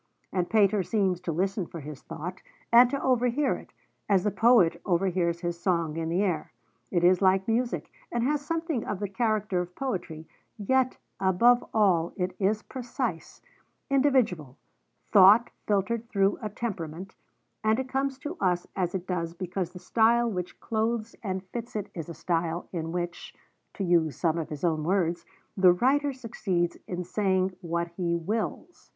And Pater seems to listen for his thought, and to overhear it, as the poet overhears his song in the air. It is like music, and has something of the character of poetry, yet, above all, it is precise, individual, thought filtered through a temperament; and it comes to us as it does because the style which clothes and fits it is a style in which, to use some of his own words, 'the writer succeeds in saying what he wills.'